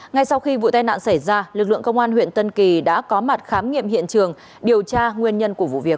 ngay sau khi vụ tai nạn xảy ra lực lượng công an huyện tân kỳ đã có mặt khám nghiệm hiện trường điều tra nguyên nhân của vụ việc